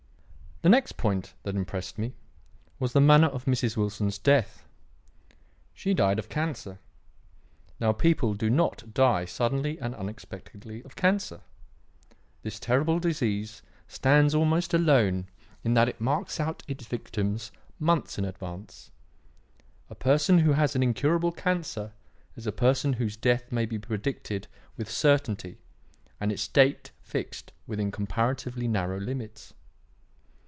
"The next point that impressed me was the manner of Mrs. Wilson's death. She died of cancer. Now people do not die suddenly and unexpectedly of cancer. This terrible disease stands almost alone in that it marks out its victim months in advance. A person who has an incurable cancer is a person whose death may be predicted with certainty and its date fixed within comparatively narrow limits.